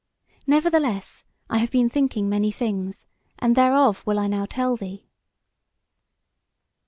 "Nevertheless I have been thinking many things, and thereof will I now tell thee."